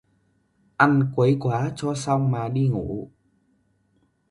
Ăn quấy quá cho xong mà đi ngủ